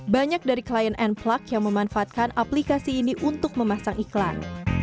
banyak dari klien n plug yang memanfaatkan aplikasi ini untuk memasang iklan